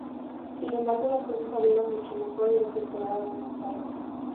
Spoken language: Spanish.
Sin embargo, las cosas salieron mucho mejor de lo que esperaba don Gonzalo.